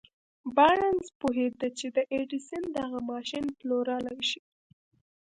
بارنس پوهېده چې د ايډېسن دغه ماشين پلورلای شي.